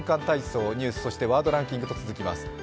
体操」、ニュース、そして「ワードランキング」と続きます。